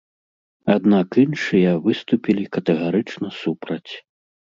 Аднак іншыя выступілі катэгарычна супраць.